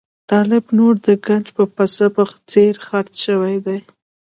طالب نور د ګنج د پسه په څېر خرڅ شوی دی.